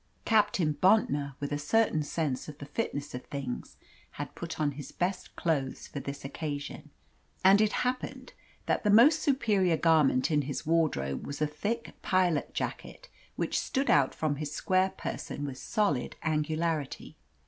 Captain Bontnor, with a certain sense of the fitness of things, had put on his best clothes for this occasion, and it happened that the most superior garment in his wardrobe was a thick pilot jacket, which stood out from his square person with solid angularity.